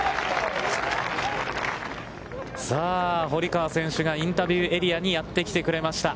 さあ、堀川選手がインタビューエリアにやってきてくれました。